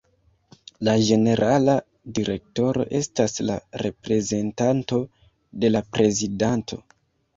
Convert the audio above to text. La ĝenerala direktoro estas la reprezentanto de la prezidanto.